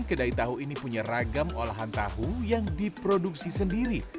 kedai tahu ini punya ragam olahan tahu yang diproduksi sendiri